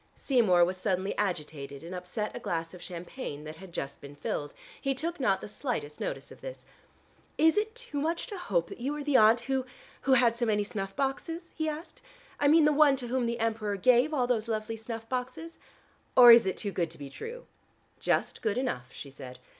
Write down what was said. Seymour was suddenly agitated and upset a glass of champagne that had just been filled. He took not the slightest notice of this. "Is it too much to hope that you are the aunt who who had so many snuff boxes?" he asked. "I mean the one to whom the Emperor gave all those lovely snuff boxes? Or is it too good to be true?" "Just good enough," she said.